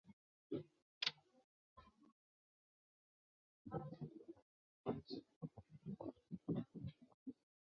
一些现代学者认为波斯门战役是亚历山大入侵波斯本土时所遇到的最大挑战。